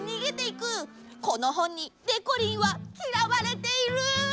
この本にでこりんはきらわれている！